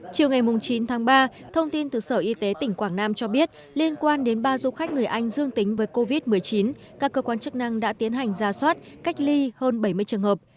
chiều ngày chín tháng ba thông tin từ sở y tế tỉnh quảng nam cho biết liên quan đến ba du khách người anh dương tính với covid một mươi chín các cơ quan chức năng đã tiến hành ra soát cách ly hơn bảy mươi trường hợp